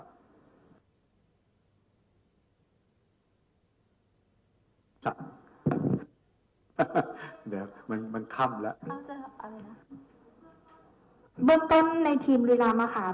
เบื้องเต้นในทีมบุรีรามค่ะ